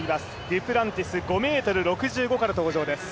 デュプランティス５ｍ６５から登場です。